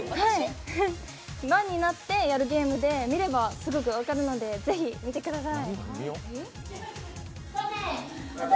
輪わになってやるゲームで見れば、すぐ分かるので、ぜひ見てください。